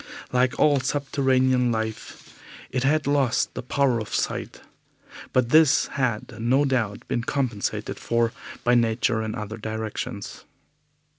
Like all subterranean life, it had lost the power of sight, but this had no doubt been compensated for by nature in other directions.